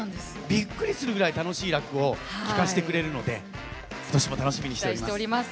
びっくりするくらい楽しい落語を聞かせてくれるので今年も楽しみにしております。